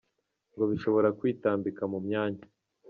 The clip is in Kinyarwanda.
ngo bishobora kwitambika mu mwanya!